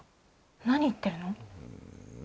何言ってるの？